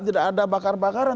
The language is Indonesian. tidak ada bakar bakaran